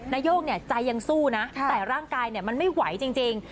นายกใจยังสู้นะแต่ร่างกายมันไม่ไหวจริง